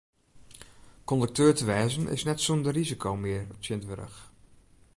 Kondukteur te wêzen is net sûnder risiko mear tsjintwurdich.